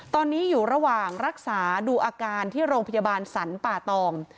ตอนนี้อยู่ระหว่างรักษาดูอาการที่โรงพยาบาลสรรป่าตอง